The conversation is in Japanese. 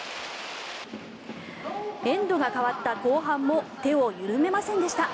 エンドが変わった後半も手を緩めませんでした。